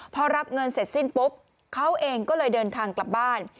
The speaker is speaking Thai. พอรับเงินเสร็จสิ้นปุ๊บเขาเองก็เลยเดินทางกลับบ้าน